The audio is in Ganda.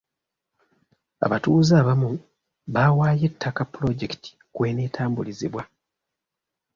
Abatuuze abamu baawaayo ettaka pulojekiti kweneetambulizibwa.